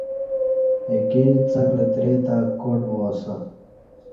ایکی څݣ لتری تہ کاٹ وا اسہ